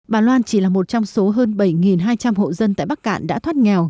bà loan chỉ là một trong số hơn bảy hai trăm linh hộ dân tại bắc cạn đã thoát nghèo